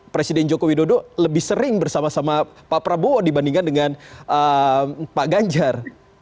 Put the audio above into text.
presiden joko widodo lebih sering bersama sama pak prabowo dibandingkan dengan pak ganjar